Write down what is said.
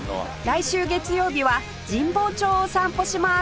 来週月曜日は神保町を散歩します